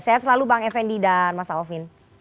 saya selalu bang effendi dan mas alvin